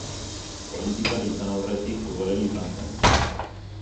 Politikari izan aurretik futbolari izan zen.